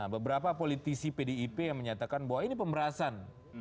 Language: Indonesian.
beberapa politisi pdip yang menyatakan bahwa ini pemerasan